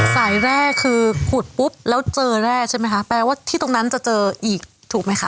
สายแรกคือขุดปุ๊บแล้วเจอแร่ใช่ไหมคะแปลว่าที่ตรงนั้นจะเจออีกถูกไหมคะ